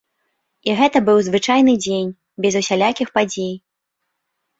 І гэта быў звычайны дзень, без усялякіх падзей.